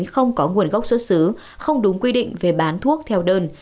không có nguồn gốc xuất xứ không đúng quy định về bán thuốc theo đơn